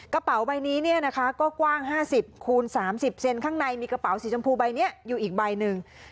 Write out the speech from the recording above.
กระเป๋าใบนี้เนี่ยนะคะก็กว้าง๕๐คูณ๓๐เซนข้างในมีกระเป๋าสีชมพูใบนี้อยู่อีกใบหนึ่ง